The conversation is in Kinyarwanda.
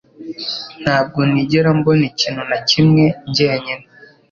Ntabwo nigera mbona ikintu na kimwe njyenyine